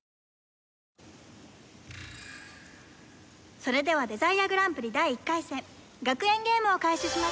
それではデザイアグランプリ第１回戦学園ゲームを開始します！